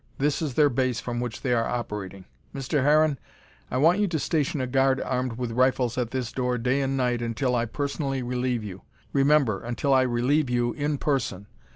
This is their base from which they are operating. Mr. Harron, I want you to station a guard armed with rifles at this door day and night until I personally relieve you. Remember, until I relieve you, in person.